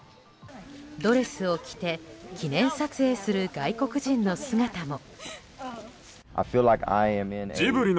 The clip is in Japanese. ドレスを着て記念撮影する外国人の姿も。